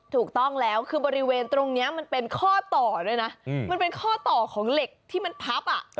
ถูกต้องแล้วคือบริเวณตรงนี้เป็นข้อต่อมันเป็นข้อต่อของเหล็กที่พับ